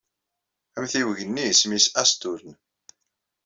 Amtiweg-nni isem-nnes Asturn.